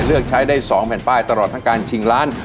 เลือกใช้ได้๒แผ่นป้ายตลอดทั้งการชิงล้าน